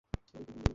দেখা হবে, নিক।